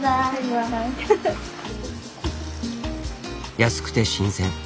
安くて新鮮。